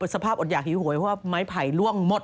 สภาพอดหยากหิวโหยเพราะว่าไม้ไผ่ล่วงหมด